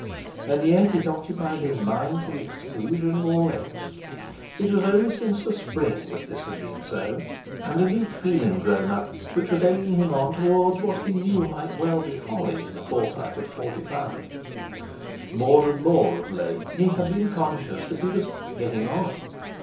And yet it occupied his mind to the exclusion of all else. It was only since the Spring that this had been so and a new feeling grown up which was egging him on towards what he knew might well be folly in a Forsyte of forty five. More and more of late he had been conscious that he was "getting on."